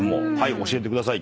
教えてください。